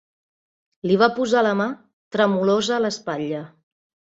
Li va posar la mà tremolosa a l'espatlla.